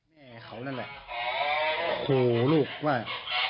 แม่เขานั่นแหละขัวว่า